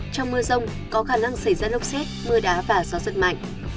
trong mưa rông có khả năng xảy ra lốc xét mưa đá và gió rất mạnh